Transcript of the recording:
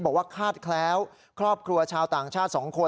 บอกว่าคาดแคล้วครอบครัวชาวต่างชาติสองคน